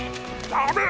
ダメ！